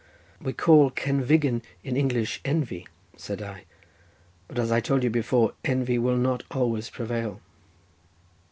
"We call cenfigen in English envy," said I; "but as I told you before, envy will not always prevail."